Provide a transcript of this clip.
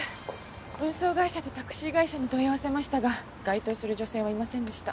運送会社とタクシー会社に問い合わせましたが該当する女性はいませんでした。